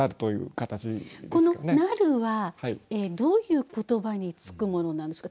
この「なる」はどういう言葉につくものなんですか？